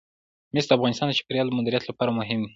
مس د افغانستان د چاپیریال د مدیریت لپاره مهم دي.